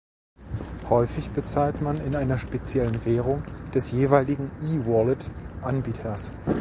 Häufig bezahlt man in einer speziellen Währung des jeweiligen E-Wallet-Anbieters.